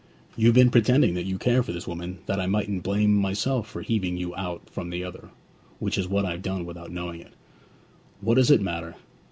'You've been pretending that you care for this woman that I mightn't blame myself for heaving you out from the other which is what I've done without knowing it.' 'What does it matter?'